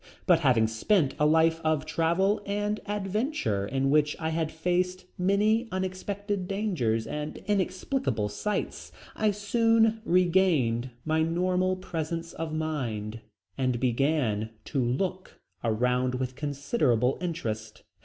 But having spent a life of travel and adventure in which I had faced many unexpected dangers and inexplicable sights, I soon regained my normal presence of mind and began to look around with considerable interest.